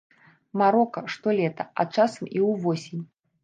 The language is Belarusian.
Марока, штолета, а часам і ўвосень.